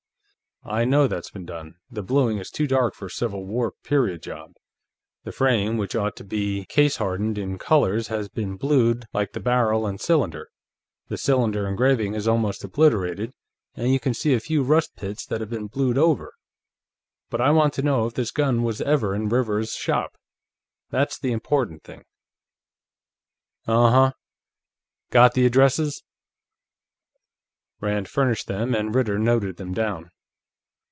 I know that's been done; the bluing is too dark for a Civil War period job; the frame, which ought to be case hardened in colors, has been blued like the barrel and cylinder, the cylinder engraving is almost obliterated, and you can see a few rust pits that have been blued over. But I want to know if this gun was ever in Rivers's shop; that's the important thing." "Uh huh. Got the addresses?" Rand furnished them, and Ritter noted them down.